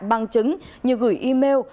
bằng chứng như gửi email